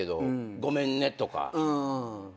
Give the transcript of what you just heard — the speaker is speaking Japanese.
「ごめんね」とか。